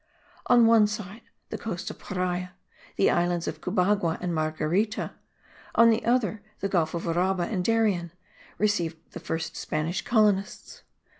On one side, the coast of Paria, the islands of Cubagua and Marguerita; on the other, the Gulf of Uraba and Darien, received the first Spanish colonists.